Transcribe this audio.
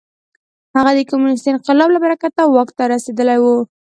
هغه د کمونېستي انقلاب له برکته واک ته رسېدلی و.